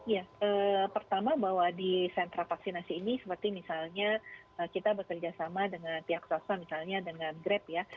ya pertama bahwa di sentra vaksinasi ini seperti misalnya kita bekerja sama dengan pihak swasta misalnya dengan grab ya